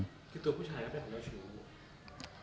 คือตัวผู้ชายก็เป็นเจ้าชู้